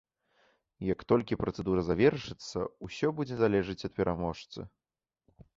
Як толькі працэдура завершыцца, усё будзе залежаць ад пераможцы.